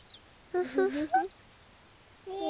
ウフフフ。